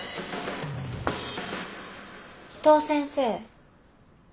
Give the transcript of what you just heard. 伊藤先生